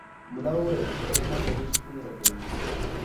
ملا وویل چې غږ ماته ډېر سکون راکوي.